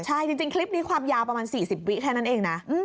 ใช่จริงคลิปนี้ความยาวประมาณ๔๐วิแค่นั้นเองนะ